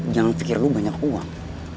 jangan pikir lo banyak uang